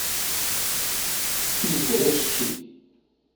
Izga d acetki.